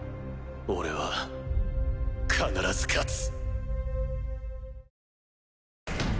俺は必ず勝つ。